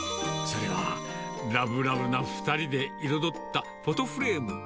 それは、ラブラブな２人で彩ったフォトフレーム。